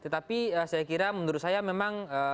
tetapi saya kira menurut saya memang